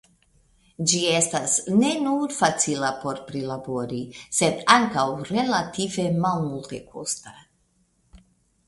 Ĝi estas ne nur facila por prilabori sed ankaŭ relative malmultekosta.